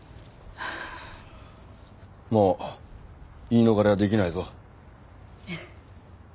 もう言い逃れは出来ないぞ。